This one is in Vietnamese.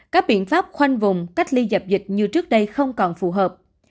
các biện pháp khoanh vùng cách ly dập dịch như trước đây không còn phù hợp